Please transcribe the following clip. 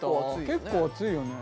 結構熱いよね。